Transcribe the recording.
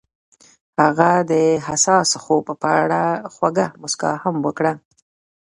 هغې د حساس خوب په اړه خوږه موسکا هم وکړه.